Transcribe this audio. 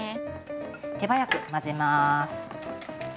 手早く混ぜます。